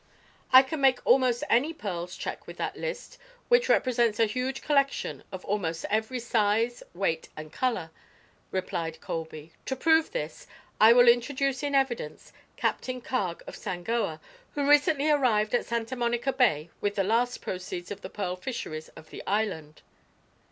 "I can make almost any pearls check with that list, which represents a huge collection of almost every size, weight and color," replied Colby. "To prove this, I will introduce in evidence Captain Carg of Sangoa, who recently arrived at Santa Monica Bay with the last proceeds of the pearl fisheries of the island."